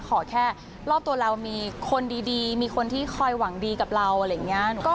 ขอแค่รอบตัวเรามีคนดีมีคนที่คอยหวังดีกับเราอะไรอย่างนี้